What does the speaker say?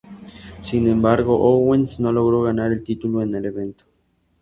Sin embargo, Owens no logró ganar el título en el evento.